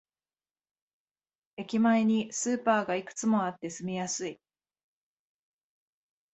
駅前にスーパーがいくつもあって住みやすい